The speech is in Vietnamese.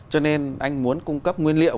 cho nên anh muốn cung cấp nguyên liệu